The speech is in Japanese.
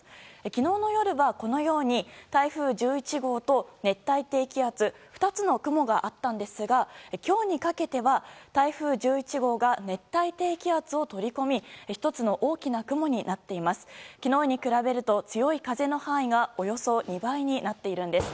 昨日の夜は、このように台風１１号と熱帯低気圧２つの雲があったんですが今日にかけては台風１１号が熱帯低気圧を取り込み１つの大きな雲になっています。